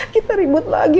kita ribut lagi